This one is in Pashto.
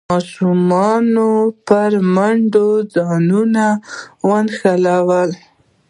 ماشومانو پر میندو ځانونه ونښلول.